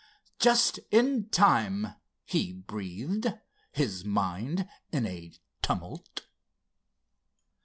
"Just in time!" he breathed, his mind in a tumult.